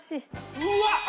うわっ！